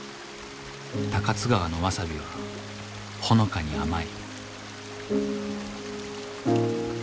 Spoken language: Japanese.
高津川のわさびはほのかに甘い。